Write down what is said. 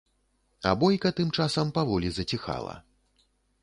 А бойка тым часам паволі заціхала.